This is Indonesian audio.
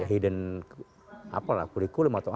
ya hidden apa lah kurikulum atau apa